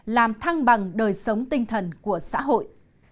làm thăng bằng đời sống tinh thần của xã hội